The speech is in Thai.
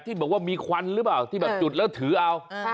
ที่บอกว่ามีควันแล้วก็ถือเอา